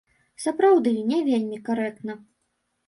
Сапраўды, не вельмі карэктна.